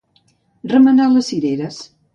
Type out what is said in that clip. Remenar les cireres.